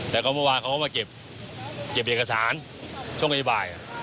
แต่ก็เมื่อวานเขาเข้ามาเก็บเก็บเอกสารช่วงกันที่บ่าย